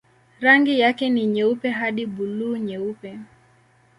Rangi yake ni nyeupe hadi buluu-nyeupe.